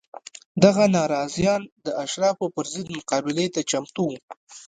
دغه ناراضیان د اشرافو پر ضد مقابلې ته چمتو وو